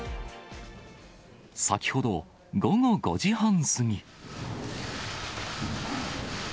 先ほど午後５時半過ぎ。